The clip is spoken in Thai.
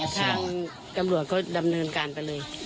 ทางตำรวจเขาดำเนินการไปเลย